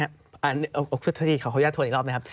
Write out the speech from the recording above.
เขาเรียกว่าขออนุญาตถนอีกรอบนะครับ